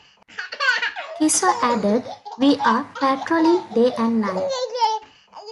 Kisso added: We are patrolling day and night.